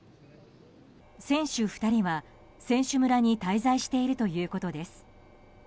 選手２人は選手村に滞在しているということです。